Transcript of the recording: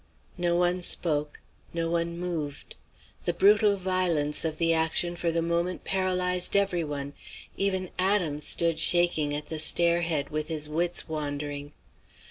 No one spoke; no one moved. The brutal violence of the action for the moment paralysed every one; even Adam stood shaking at the stair head with his wits wandering.